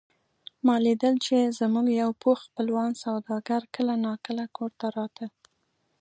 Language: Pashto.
ما لیدل چې زموږ یو پوخ خپلوان سوداګر کله نا کله کور ته راته.